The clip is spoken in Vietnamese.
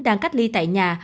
đang cách ly tại nhà